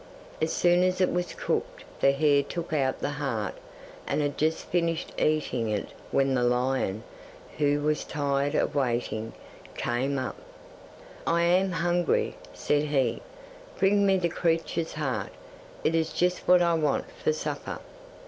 As soon as it was cooked the hare took out the heart and had just finished eating it when the lion, who was tired of waiting, came up. '"I am hungry," said he. "Bring me the creature's heart; it is just what I want for supper."